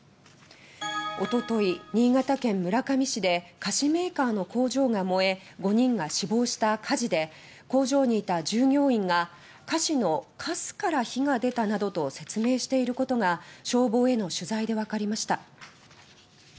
おととい、新潟県村上市で菓子メーカーの工場が燃え５人が死亡した火事で工場にいた従業員が菓子のカスから火が出たなどと説明していることが消防への取材でわかりました。